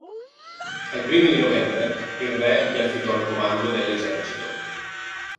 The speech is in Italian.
Ai primi di novembre il re gli affidò il comando dell'esercito.